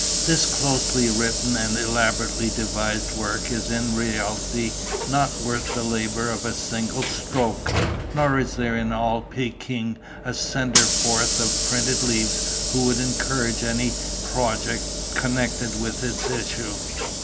This closely written and elaborately devised work is in reality not worth the labour of a single stroke, nor is there in all Peking a sender forth of printed leaves who would encourage any project connected with its issue.